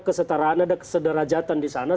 kesetaraan ada kesederajatan di sana